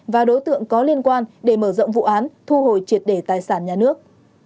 và đối tượng có liên quan để mở rộng vụ án thu hồi triệt để tài sản nhà nước